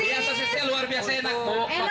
iya sosisnya luar biasa enak